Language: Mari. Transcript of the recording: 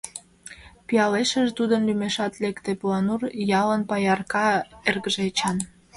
Пиалешыже, тудын лӱмешат лекте: Поланур ялын паярка эргыже Эчан.